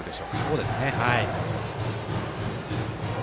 そうですね。